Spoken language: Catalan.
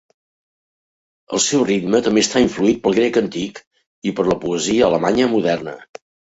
El seu ritme també està influït pel grec antic i per la poesia alemanya moderna.